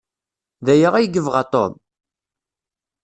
D aya ay yebɣa Tom?